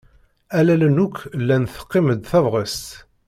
Allalen akk llan teqqim-d tebɣest.